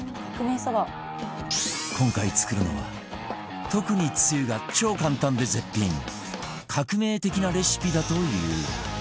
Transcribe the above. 今回作るのは特につゆが超簡単で絶品革命的なレシピだという